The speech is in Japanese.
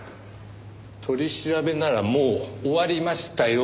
取り調べならもう終わりましたよ。